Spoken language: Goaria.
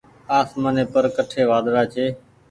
آسمآني پر ڪٺي وآۮڙآ ڇي۔